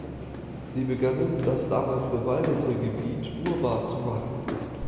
Sie begannen das damals bewaldete Gebiet urbar zu machen.